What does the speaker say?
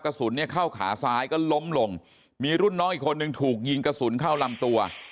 กระสุนเนี่ยเข้าขาซ้ายก็ล้มลงมีรุ่นน้องอีกคนนึงถูกยิงกระสุนเข้าลำตัว